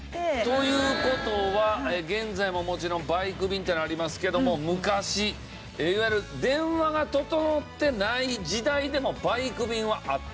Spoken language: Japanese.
という事は現在ももちろんバイク便っていうのはありますけども昔いわゆる電話が整ってない時代でもバイク便はあった？